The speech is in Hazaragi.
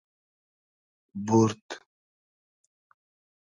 بورد